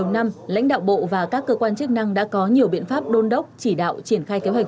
một năm lãnh đạo bộ và các cơ quan chức năng đã có nhiều biện pháp đôn đốc chỉ đạo triển khai kế hoạch